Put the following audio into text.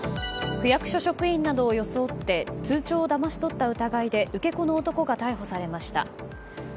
区役所職員などを装って通帳をだまし取った疑いで受け子の男が逮捕されました。